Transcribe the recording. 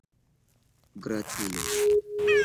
gratulo